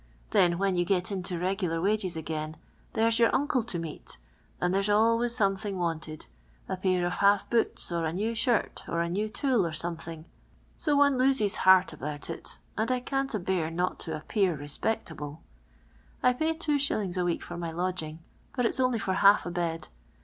Then, when you gt.'t into regular wages atrain, there 's yonr ! uncle to meet, and there's always something : wanted — a p:iir of half Loots, or a new shirt, or a I new tool, or something : »o one loses heart about it, and I can't abear not to appear respectable. " I piiy 2x. a week for my lodging, but it 's only for half a bed.